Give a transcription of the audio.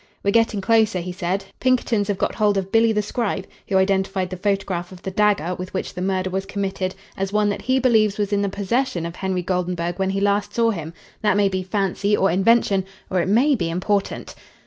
"We're getting closer," he said. "Pinkerton's have got hold of 'Billy the Scribe,' who identified the photograph of the dagger with which the murder was committed as one that he believes was in the possession of Henry Goldenburg when he last saw him. That may be fancy or invention, or it may be important.